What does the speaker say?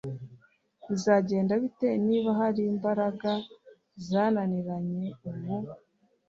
Bizagenda bite niba hari imbaraga zananiranye ubu